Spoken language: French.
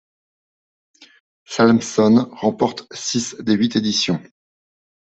Salmson remporte six des huit éditions.